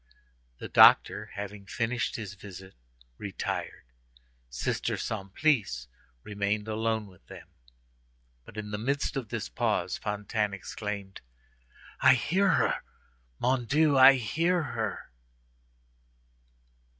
The doctor, having finished his visit, retired. Sister Simplice remained alone with them. But in the midst of this pause Fantine exclaimed:— "I hear her! mon Dieu, I hear her!"